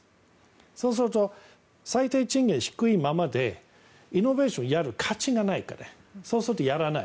そうすると最低賃金、低いままでイノベーションをやる価値がないからそうするとやらない。